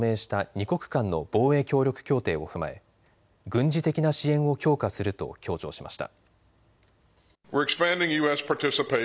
２国間の防衛協力協定を踏まえ軍事的な支援を強化すると強調しました。